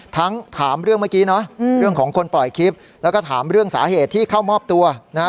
ถามเรื่องเมื่อกี้เนอะเรื่องของคนปล่อยคลิปแล้วก็ถามเรื่องสาเหตุที่เข้ามอบตัวนะฮะ